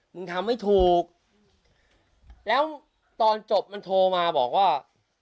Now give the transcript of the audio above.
มึงทำไม่ถูกแล้วตอนจบมันโทรมาบอกว่า